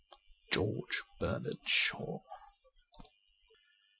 ' George Bernard Shaw.''